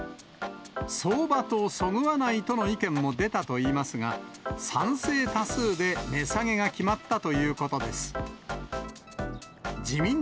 相場とそぐわないとの意見も出たといいますが、賛成多数で値下げが決まったということです。